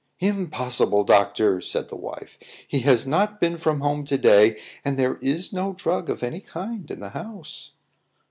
"Impossible, doctor," said the wife. "He has not been from home to day, and there is no drug of any kind in the house."